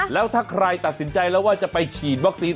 แล้วถ้าใครตัดสินใจแล้วว่าจะไปฉีดวัคซีน